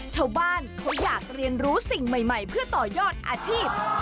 ชาวบ้านเขาอยากเรียนรู้สิ่งใหม่เพื่อต่อยอดอาชีพ